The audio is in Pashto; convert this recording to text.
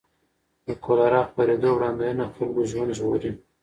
د کولرا خپرېدو وړاندوینه د خلکو ژوند ژغوري.